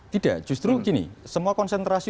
tidak justru gini semua konsentrasi